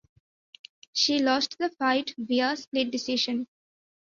She lost the fight via split decision.